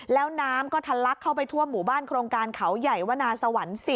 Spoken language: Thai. แล้วน้ำก็ทะลักเข้าไปทั่วหมู่บ้านโครงการเขาใหญ่วนาสวรรค์๔